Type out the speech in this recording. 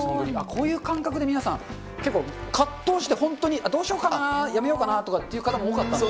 こういう感覚で皆さん、結構葛藤して、本当に、どうしようかな、やめようかなっていう方も多かったんで。